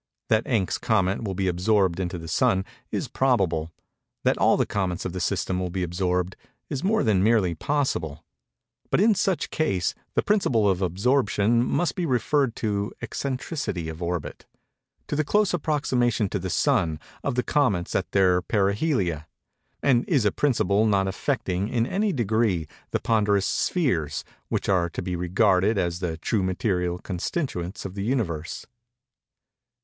That Enck's comet will be absorbed into the Sun, is probable; that all the comets of the system will be absorbed, is more than merely possible; but, in such case, the principle of absorption must be referred to eccentricity of orbit—to the close approximation to the Sun, of the comets at their perihelia; and is a principle not affecting, in any degree, the ponderous spheres, which are to be regarded as the true material constituents of the Universe.